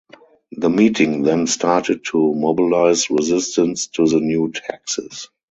The meeting then started to mobilise resistance to the new taxes.